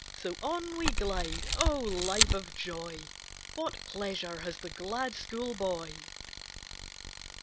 So on we glide O, life of joy; What pleasure has the glad school boy!